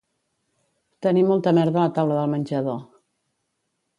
Tenir molta merda a la taula del menjador